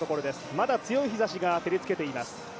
まだ強い日ざしが照りつけています。